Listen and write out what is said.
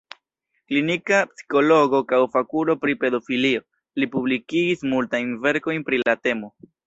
Klinika psikologo kaj fakulo pri pedofilio, li publikigis multajn verkojn pri la temo.